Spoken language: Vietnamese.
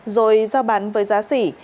rồi giao bán với giá sỉ